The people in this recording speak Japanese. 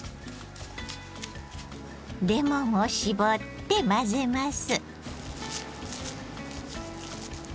レモンを搾って混ぜます。